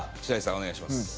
お願いします。